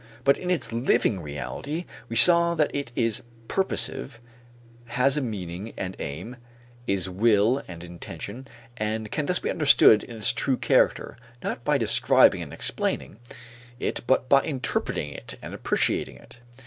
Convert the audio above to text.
But in its living reality, we saw that it is purposive, has a meaning and aim, is will and intention, and can thus be understood in its true character, not by describing and explaining it but by interpreting it and appreciating it.